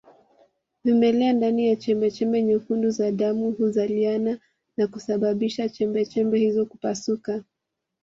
Vimelea ndani ya chembechembe nyekundu za damu huzaliana na kusababisha chembechembe hizo kupasuka